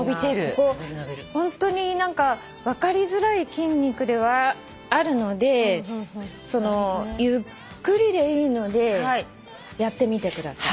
ここホントに分かりづらい筋肉ではあるのでゆっくりでいいのでやってみてください。